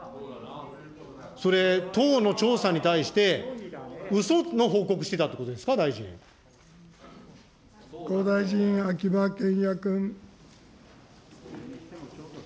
それ、党の調査に対して、うその報告してたってことですか、復興大臣、秋葉賢也君。